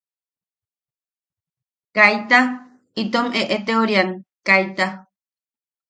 –Kaita itom eʼeteoriam, kaita.